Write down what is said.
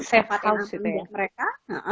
tempat yang aman buat mereka